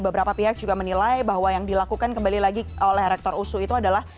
beberapa pihak juga menilai bahwa yang dilakukan kembali lagi oleh rektor usu itu adalah